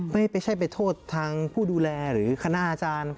ไม่ใช่ไปโทษทางผู้ดูแลหรือคณะอาจารย์